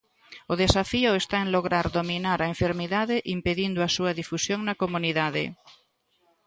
O desafío está en lograr dominar a enfermidade impedindo a súa difusión na comunidade.